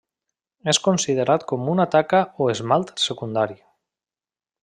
És considerat com una taca o esmalt secundari.